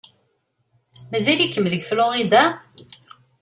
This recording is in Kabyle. Mazal-ikem deg Florida?